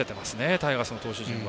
タイガースの投手陣は。